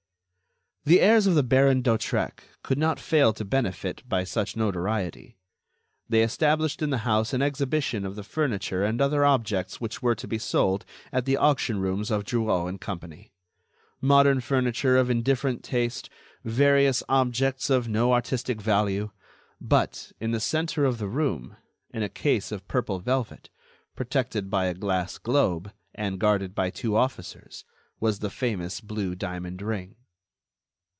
The heirs of the Baron d'Hautrec could not fail to benefit by such notoriety. They established in the house an exhibition of the furniture and other objects which were to be sold at the auction rooms of Drouot & Co. Modern furniture of indifferent taste, various objects of no artistic value ... but, in the centre of the room, in a case of purple velvet, protected by a glass globe, and guarded by two officers, was the famous blue diamond ring.